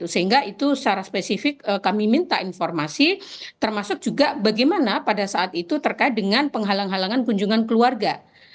sehingga itu secara spesifik kami minta informasi termasuk juga bagaimana pada saat itu terkait dengan penghalang halangan kunjungan keluarga